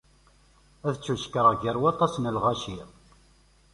Ad t-cekkreɣ gar waṭas n lɣaci.